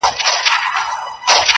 پرهار ته مي راغلي مرهمونه تښتوي.!